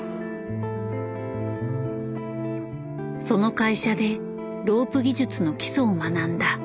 その会社でロープ技術の基礎を学んだ。